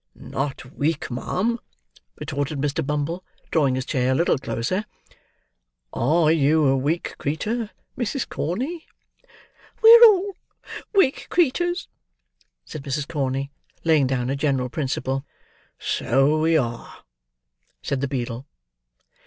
"Not weak, ma'am," retorted Mr. Bumble, drawing his chair a little closer. "Are you a weak creetur, Mrs. Corney?" "We are all weak creeturs," said Mrs. Corney, laying down a general principle. "So we are," said the beadle.